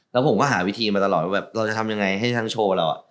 แล้วผมก็หาวิธีมาตลอดแบบเราจะทำยังไงให้ทั้งโชว์แล้วอะ